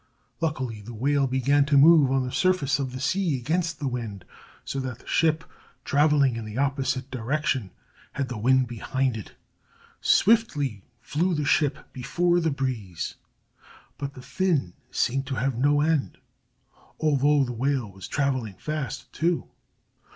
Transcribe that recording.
Luckily the whale began to move on the surface of the sea against the wind, so that the ship, traveling in the opposite direction, had the wind behind it. Swiftly flew the ship before the breeze, but the fin seemed to have no end, although the whale was traveling fast, too.